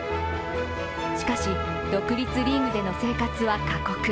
しかし、独立リーグでの生活は過酷。